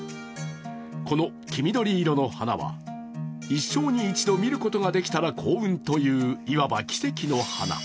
この黄緑色の花は一生に一度見ることができたら幸運という、いわば奇跡の花。